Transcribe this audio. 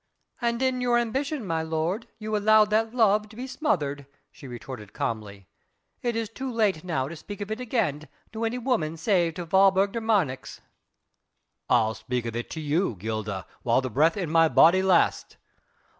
"And in your ambition, my lord, you allowed that love to be smothered," she retorted calmly. "It is too late now to speak of it again, to any woman save to Walburg de Marnix." "I'll speak of it to you, Gilda, while the breath in my body lasts.